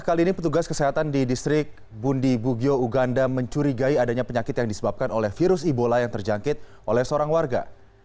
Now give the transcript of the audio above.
kali ini petugas kesehatan di distrik bundi bugio uganda mencurigai adanya penyakit yang disebabkan oleh virus ebola yang terjangkit oleh seorang warga